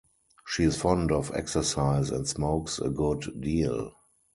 She is fond of exercise and smokes a good deal.